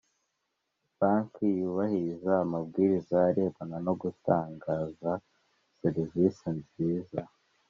banki yubahiriza amabwiriza arebana no gutangaza serivisi nziza